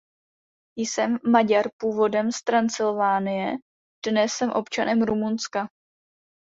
Jsem Maďar původem z Transylvánie, dnes jsem občanem Rumunska.